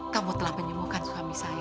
kamu telah menyembuhkan suami saya